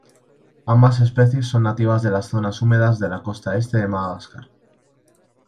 Ambas especies son nativas de las zonas húmedas de la costa este de Madagascar.